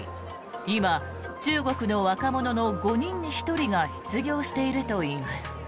今、中国の若者の５人に１人が失業しているといいます。